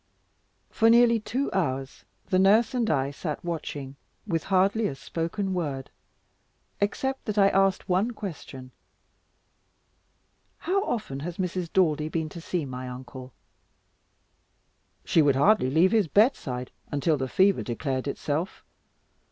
For nearly two hours, the nurse and I sat watching, with hardly a spoken word, except that I asked one question. "How often has Mrs. Daldy been to see my uncle?" "She would hardly leave his bedside, until the fever declared itself.